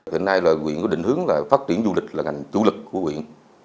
hiện nay là huyện có định hướng là phát triển du lịch là ngành du lịch của huyện